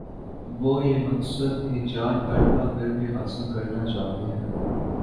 وہ یہ مقصد ہیجان برپا کر کے حاصل کرنا چاہتے ہیں۔